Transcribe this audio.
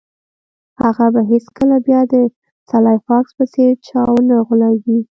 هغه به هیڅکله بیا د سلای فاکس په څیر چا ونه غولیږي